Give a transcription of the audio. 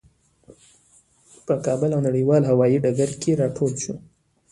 په کابل په نړیوال هوايي ډګر کې راټول شوو.